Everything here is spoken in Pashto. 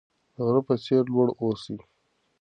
د غره په څیر لوړ اوسئ.